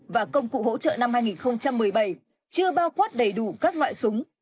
và công cụ hỗ trợ năm hai nghìn một mươi bảy chưa bao quát đầy đủ các loại súng